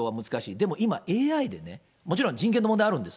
でも今、ＡＩでね、もちろん人権の問題あるんです。